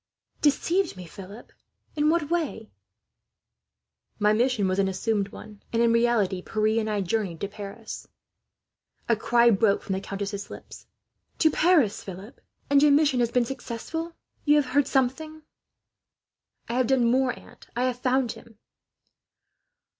"Deceived me, Philip! In what way?" "My mission was an assumed one," Philip said; "and in reality, Pierre and I journeyed to Paris." A cry broke from the countess's lips. "To Paris, Philip! And your mission has been successful? You have heard something?" "I have done more, aunt, I have found him."